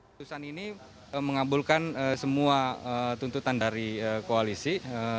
keputusan ini mengabulkan semua tuntutan dari koalisi